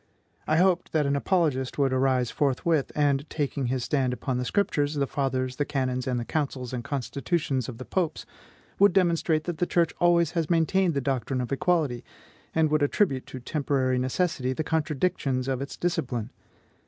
I hoped that an apologist would arise forthwith, and, taking his stand upon the Scriptures, the Fathers, the canons, and the councils and constitutions of the Popes, would demonstrate that the church always has maintained the doctrine of equality, and would attribute to temporary necessity the contradictions of its discipline.